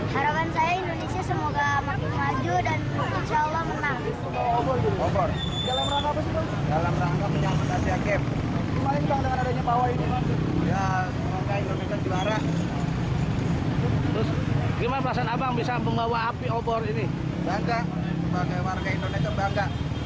saya indonesia semoga makin maju dan insya allah menang